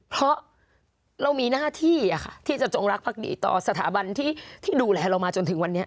เพราะเรามีหน้าที่ที่จะจงรักภักดีต่อสถาบันที่ดูแลเรามาจนถึงวันนี้